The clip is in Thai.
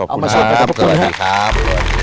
เอามาฉุดขอบคุณครับ